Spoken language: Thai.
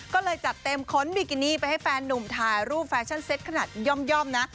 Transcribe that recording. ก็เลยจัดเต็มค้นบิกินี่ไปให้แฟนนุ่มถ่ายรูปแฟชั่นเซ็ตขนาดย่อมนะ